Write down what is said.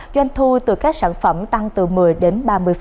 doanh thu từ các sản phẩm tăng từ một mươi đến ba mươi